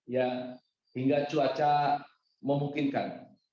ya hingga cuaca memungkinkan